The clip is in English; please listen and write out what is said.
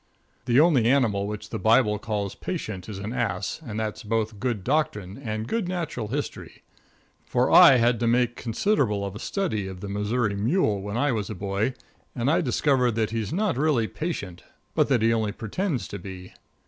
The only animal which the Bible calls patient is an ass, and that's both good doctrine and good natural history. For I had to make considerable of a study of the Missouri mule when I was a boy, and I discovered that he's not really patient, but that he only pretends to be.